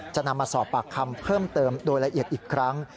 จะนำมาสอบปากคำเพิ่มเติมโดยละเอียดอีกครั้ง